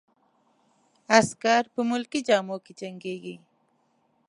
عسکر په ملکي جامو کې جنګیږي.